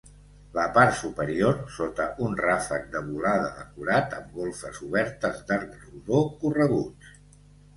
La part superior, sota un ràfec de volada decorat, amb golfes obertes d'arc rodó, correguts.